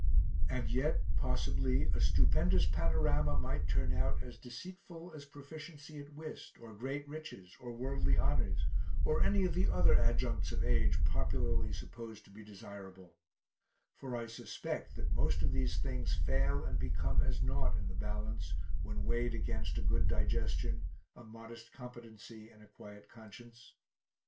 And yet, possibly, a stupendous panorama might turn out as deceitful as proficiency at whist, or great riches, or worldly honours, or any of the other adjuncts of age popularly supposed to be desirable; for I suspect that most of these things fail and become as naught in the balance when weighed against a good digestion, a modest competency and a quiet conscience.